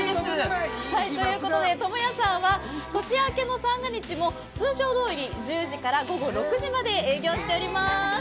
ということで、ともやさんは年明け三が日も通常どおり１０時から午後６時まで営業しております。